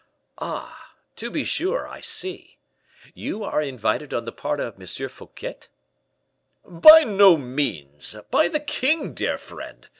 "Ah! to be sure, I see. You are invited on the part of M. Fouquet?" "By no means! by the king, dear friend.